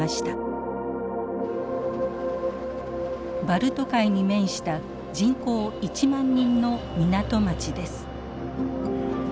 バルト海に面した人口１万人の港町です。